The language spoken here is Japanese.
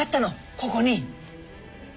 ここに。